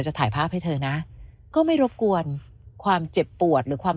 ถ่ายภาพให้เธอนะก็ไม่รบกวนความเจ็บปวดหรือความ